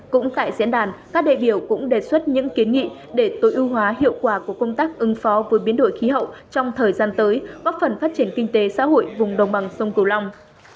cũng tại diễn đàn các đại biểu cũng đề xuất những kiến nghị để tối ưu hóa hiệu quả của công tác ứng phó với biến đổi khí hậu trong thời gian tới góp phần phát triển kinh tế xã hội vùng đồng bằng sông cầu long